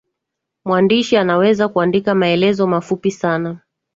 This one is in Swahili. mwandishi anaweza kuandika maelezo mafupi sana